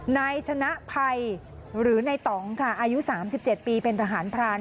นายชนะภัยหรือในต่องค่ะอายุ๓๗ปีเป็นทหารพราน